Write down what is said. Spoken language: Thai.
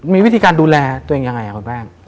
มีวิธีการดูแลตัวเองอย่างไรครับคุณแป้ง